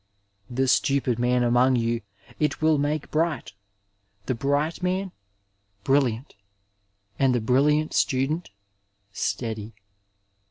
The stupid man among you it will make bright, the bright man brilliant, and the brilliant student steady.